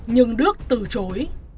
nhưng đức từ chối